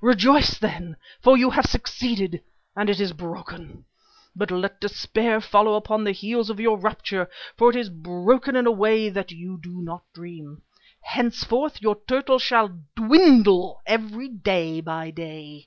Rejoice then, for you have succeeded and it is broken. But let despair follow upon the heels of your rapture, for it is broken in a way that you do not dream. Henceforth your turtle shall dwindle away day by day!"